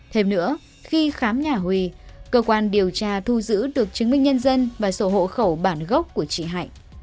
thêm nữa khi khám nhà huy cơ quan điều tra thu giữ được chứng minh nhân dân và sổ hộ khẩu bản gốc của chị hạnh